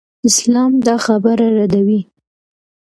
اسلام دا خبره ردوي.